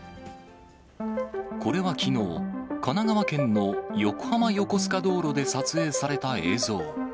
これはきのう、神奈川県の横浜横須賀道路で撮影された映像。